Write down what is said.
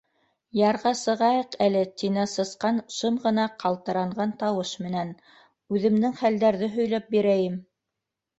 —Ярға сығайыҡ әле, —тине Сысҡан шым ғына, ҡалтыранған тауыш менән, —үҙемдең хәлдәрҙе һөйләп бирәйем.